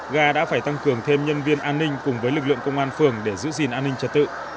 ga đã phải tăng cường thêm nhân viên an ninh cùng với lực lượng công an phường để giữ gìn an ninh trật tự